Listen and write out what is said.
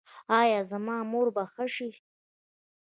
ایا زما مور به ښه شي؟